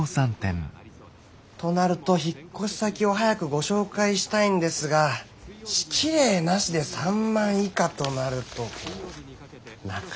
となると引っ越し先を早くご紹介したいんですが敷礼なしで３万以下となるとなかなか。